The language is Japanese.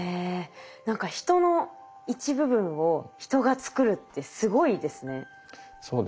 何か人の一部分を人が作るってすごいですね。